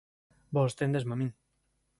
Vós téndesme a min.